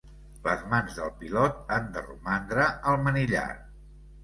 Les mans del pilot han de romandre al manillar.